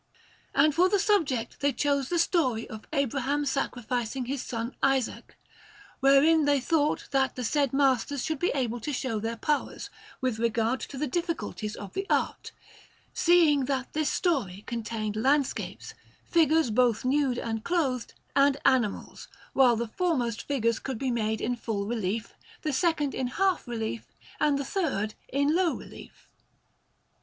And for the subject they chose the story of Abraham sacrificing his son Isaac, wherein they thought that the said masters should be able to show their powers with regard to the difficulties of their art, seeing that this story contained landscapes, figures both nude and clothed, and animals, while the foremost figures could be made in full relief, the second in half relief, and the third in low relief.